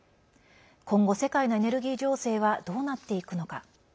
今後、世界のエネルギー情勢はどうなっていくのか。